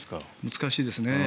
難しいですね。